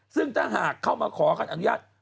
ซึ่งถ้าหากเข้ามาขอกันอนุญาต